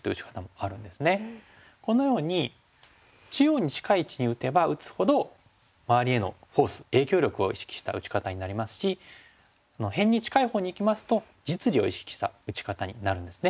このように中央に近い位置に打てば打つほど周りへのフォース影響力を意識した打ち方になりますし辺に近いほうにいきますと実利を意識した打ち方になるんですね。